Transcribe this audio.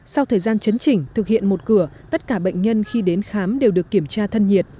sau thời gian chấn chỉnh thực hiện một cửa tất cả bệnh nhân khi đến khám đều được kiểm tra thân nhiệt